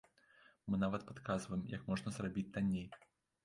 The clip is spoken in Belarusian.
Мы нават падказваем, як можна зрабіць танней.